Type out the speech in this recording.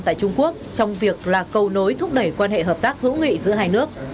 tại trung quốc trong việc là cầu nối thúc đẩy quan hệ hợp tác hữu nghị giữa hai nước